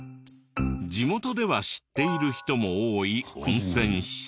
地元では知っている人も多い温泉施設。